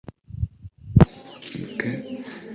Enkyukakyuka eno ne ssenga agiraba era emusanyusa.